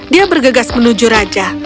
dia bergegas menuju raja